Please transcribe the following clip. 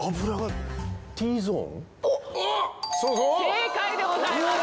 正解でございます。